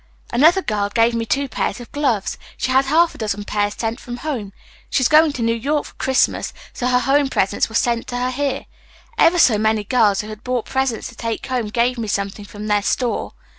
"Another girl gave me two pairs of gloves. She had half a dozen pairs sent from home. She's going to New York for Christmas, so her home presents were sent to her here. Ever so many girls who had bought presents to take home gave me something from their store.